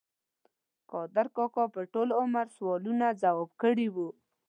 قادر کاکا په ټول عمر سوالونه ځواب کړي وو.